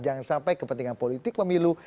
jangan sampai kepentingan politik pemilu